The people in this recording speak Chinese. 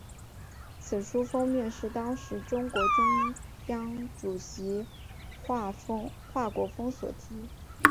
此书封面是当时中共中央主席华国锋所题。